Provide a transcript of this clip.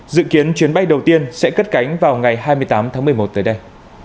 dự kiến chuyến bay đầu tiên sẽ cất cánh vào ngày hai mươi tám tháng một mươi một tới đây